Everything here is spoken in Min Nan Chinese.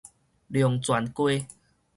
龍泉街